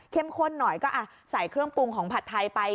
ข้นหน่อยก็ใส่เครื่องปรุงของผัดไทยไป